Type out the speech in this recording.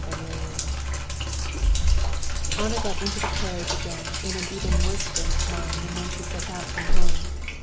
Chapter 29 Anna got into the carriage again in an even worse frame of mind than when she set out from home.